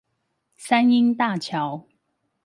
三鶯大橋